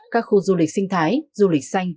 các khu du lịch sinh thái du lịch xanh